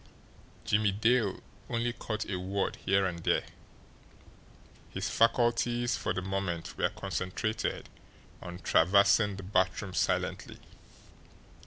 Jimmie Dale only caught a word here and there his faculties for the moment were concentrated on traversing the bathroom silently.